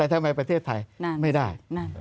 ทำไมประเทศไทยไม่ได้